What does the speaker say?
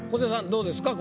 どうですか？